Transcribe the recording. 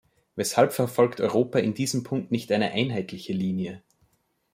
Weshalb verfolgt Europa in diesem Punkt nicht eine einheitliche Linie?